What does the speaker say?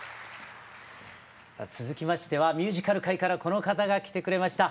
続きましてはミュージカル界からこの方が来てくれました。